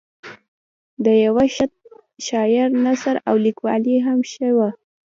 د یوه ښه شاعر نثر او لیکوالي هم ښه وه.